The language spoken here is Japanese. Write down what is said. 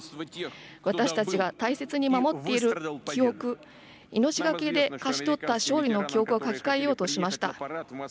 私たちが大切に守っている記憶、命懸けで勝ち取った勝利の記憶を書き換えようとしました。